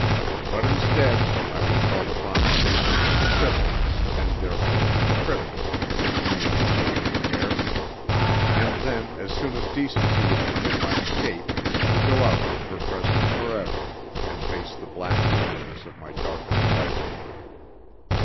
But instead I was called upon to say something civil, and therefore hypocritical, to the newly engaged pair, and then, as soon as decency would permit my escape, to go out from her presence for ever, and face the black loneliness of my darkened life.